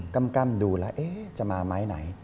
กำดูแล้วจะมาไม้ไหน